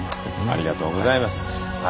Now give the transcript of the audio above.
ありがとうございます。